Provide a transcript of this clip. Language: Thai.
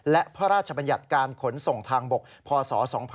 และพระราชบัญญัติการขนส่งทางบกพศ๒๕๖๒